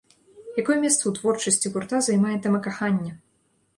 Якое месца ў творчасці гурта займае тэма кахання?